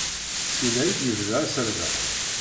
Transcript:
Syinna i d-yebda aserbeḥ.